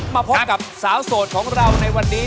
มาพบกับสาวโสดของเราในวันนี้